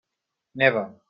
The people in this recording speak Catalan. Neva.